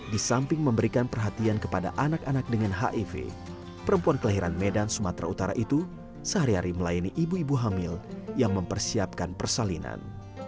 di samping memberikan perhatian kepada anak anak dengan hiv perempuan kelahiran medan sumatera utara itu sehari hari melayani ibu ibu hamil yang mempersiapkan persalinan